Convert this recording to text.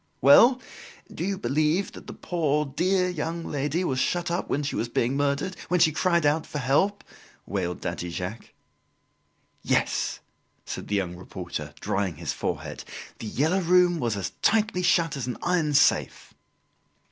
"Well, do you believe that the poor dear young lady was shut up when she was being murdered when she cried out for help?" wailed Daddy Jacques. "Yes," said the young reporter, drying his forehead, ""The Yellow Room" was as tightly shut as an iron safe."